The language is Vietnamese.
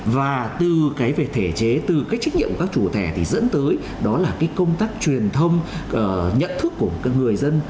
và từ cái về thể chế từ cái trách nhiệm của các chủ thể thì dẫn tới đó là cái công tác truyền thông nhận thức của cái người dân